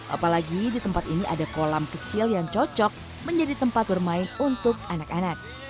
apalagi di tempat ini ada kolam kecil yang cocok menjadi tempat bermain untuk anak anak